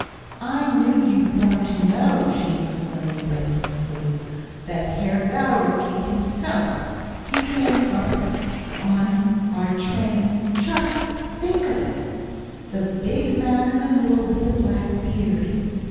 "I knew you'd want to know," she exclaimed breathlessly; "that's Herr Bauricke himself he came up on our train just think of it! the big man in the middle with the black beard."